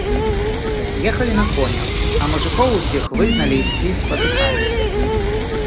Ехалі на конях, а мужыкоў усіх выгналі ісці спатыкаць.